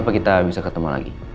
apa kita bisa ketemu lagi